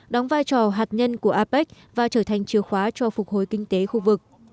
đóng vai trò hạt nhân của apec và trở thành chìa khóa cho phục hồi kinh tế khu vực